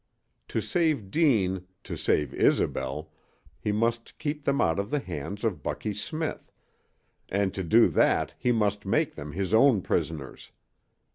To save Deane, to save Isobel, he must keep them out of the hands of Bucky Smith, and to do that he must make them his own prisoners.